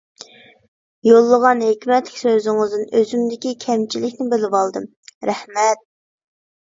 يوللىغان ھېكمەتلىك سۆزىڭىزدىن ئۆزۈمدىكى كەمچىلىكنى بىلىۋالدىم، رەھمەت.